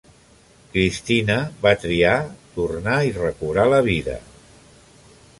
Cristina va triar tornar i recobrar la vida.